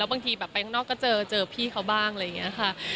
บางทีแบบไปข้างนอกก็เจอเจอพี่เขาบ้างอะไรอย่างนี้ค่ะ